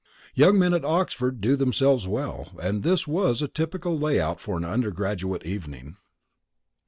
Young men at Oxford do themselves well, and this was a typical lay out for an undergraduate evening.